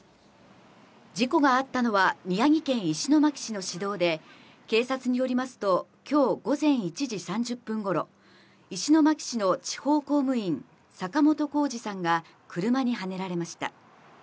事故があったのは宮城県石巻市の市道で、警察によりますと、今日午前１時３０分頃、石巻市の地方公務員、坂本甲次さんが車にはねられました。